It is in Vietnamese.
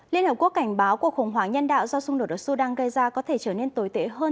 liên hợp quốc cảnh báo cuộc khủng hoảng nhân đạo do xung đột ở sudan gây ra có thể trở nên tồi tệ hơn